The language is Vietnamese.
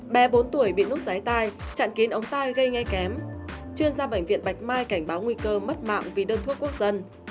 bé bốn tuổi bị nút giái tai chặn kín ống tai gây nghe kém chuyên gia bệnh viện bạch mai cảnh báo nguy cơ mất mạng vì đơn thuốc quốc dân